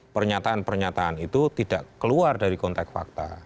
pernyataan pernyataan itu tidak keluar dari konteks fakta